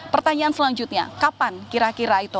pertanyaan selanjutnya kapan kira kira itu